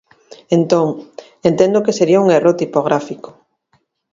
Entón, entendo que sería un erro tipográfico.